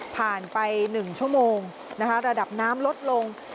ผ่านไป๑ชั่วโมงระดับน้ำลดลง